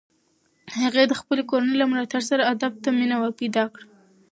هغې د خپلې کورنۍ له ملاتړ سره ادب ته مینه پیدا کړه.